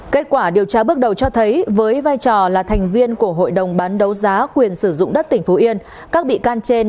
kết quả điều tra bước đầu cho thấy với vai trò là thành viên của hội đồng bán đấu giá quyền sử dụng đất tỉnh phú yên